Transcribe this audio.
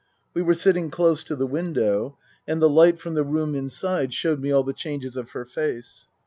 We were sitting close to the window, and the light from the room inside showed me all the changes of her face.